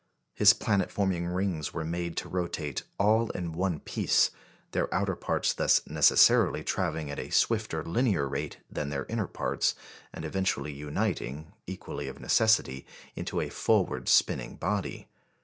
His planet forming rings were made to rotate all in one piece, their outer parts thus necessarily travelling at a swifter linear rate than their inner parts, and eventually uniting, equally of necessity, into a forward spinning body.